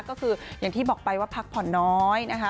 ก็คืออย่างที่บอกไปว่าพักผ่อนน้อยนะคะ